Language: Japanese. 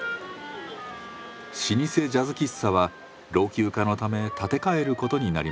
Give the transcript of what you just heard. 老舗ジャズ喫茶は老朽化のため建て替えることになりました。